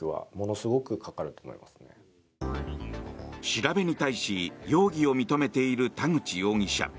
調べに対し、容疑を認めている田口容疑者。